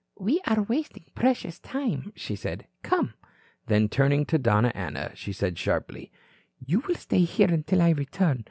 "We are wasting precious time," she said. "Come." Then, turning to Donna Ana, she said sharply: "You will stay here until I return.